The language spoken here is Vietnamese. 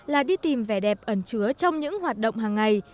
là đi tìm vẻ đẹp ẩn chứa trong những hoạt động hàng ngày